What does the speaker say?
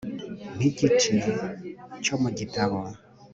nk'igice cyo mu gitabo